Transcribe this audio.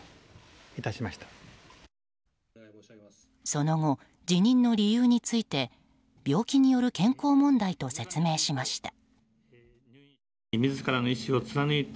その後、辞任の理由について病気による健康問題と説明しました。